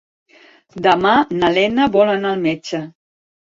Demà na Lena vol anar al metge.